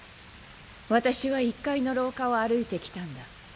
私は１階の廊下を歩いてきたんだ。